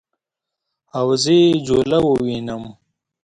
او زه یې جوله ووینم